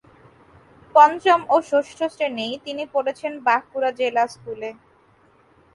পঞ্চম ও ষষ্ঠ শ্রেণী তিনি পড়েছেন বাঁকুড়া জিলা স্কুলে।